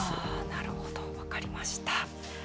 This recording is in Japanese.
なるほど、分かりました。